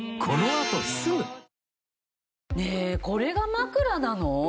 ねえこれが枕なの？